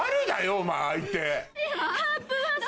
お前相手。